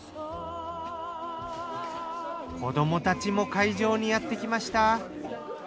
子ども達も会場にやってきました。